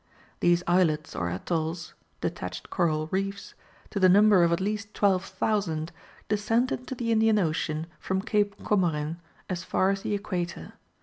These islets or atolls (detached coral reefs,) to the number of at least 12,000, descend into the Indian Ocean from Cape Comorin as far as the equator.